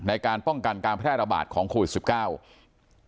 ในการป้องกันการแพร่ระบาดของโควิด๑๙